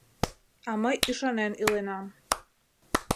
А мый ӱшанен иленам...